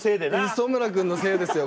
磯村君のせいですよ